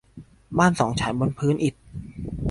บ้านสองชั้นบนพื้นอิฐ